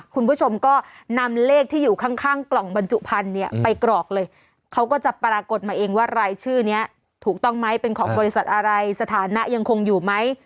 คุณผู้ชมก็นำเลขที่อยู่ข้างกล่องบรรจุพันธุ์เนี่ยไปกรอกเลยเขาก็จะปรากฏมาเองว่ารายชื่อนี้ถูกต้องไหมเป็นของบริษัทอะไรสถานะยังคงอยู่ไหม